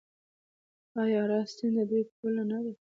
آیا اراس سیند د دوی پوله نه ده؟